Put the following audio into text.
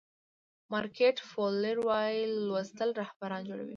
مارګریت فو لیر وایي لوستل رهبران جوړوي.